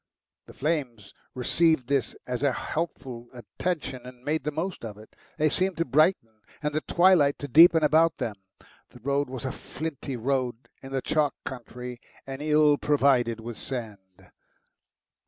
The flames received this as a helpful attention, and made the most of it. They seemed to brighten and the twilight to deepen about them. The road was a flinty road in the chalk country, and ill provided with sand.